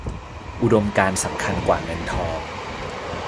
อุดมการณ์สำคัญกว่าเงินทอง